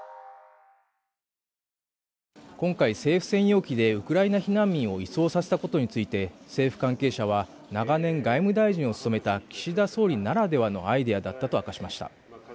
今回、政府専用機でウクライナ避難民を移送させたことについて、政府関係者は長年外務大臣を務めた岸田総理ならではだったと明かしました。